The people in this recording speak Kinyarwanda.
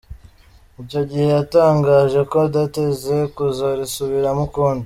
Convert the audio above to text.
Icyo gihe yatangaje ko adateze kuzarisubiramo ukundi.